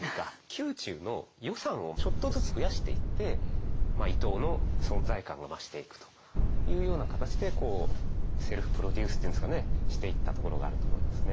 宮中の予算をちょっとずつ増やしていって伊藤の存在感が増していくというような形でこうセルフプロデュースっていうんですかねしていったところがあると思いますね。